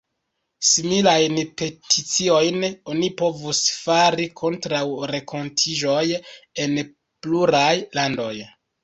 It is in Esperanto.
Similajn peticiojn oni povus fari kontraŭ renkontiĝoj en pluraj landoj.